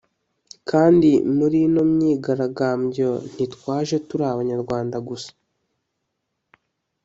Kandi muri ino myigarambyo ntitwaje turi Abanyarwanda gusa